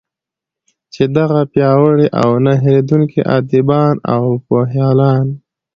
چې دغه پیاوړي او نه هیردونکي ادېبان او پوهیالان